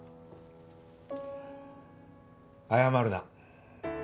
謝るな。